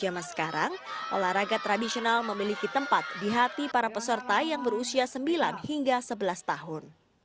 zaman sekarang olahraga tradisional memiliki tempat di hati para peserta yang berusia sembilan hingga sebelas tahun